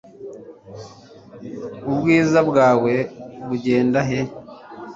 Ubwiza bwawe bugenda he